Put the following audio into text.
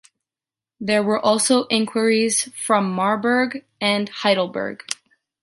There were also enquiries from Marburg and Heidelberg.